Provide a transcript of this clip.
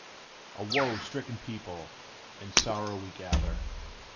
A wo stricken people, in sorrow we gather!